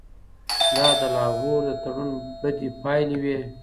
دا د لاهور د تړون بدې پایلې وې.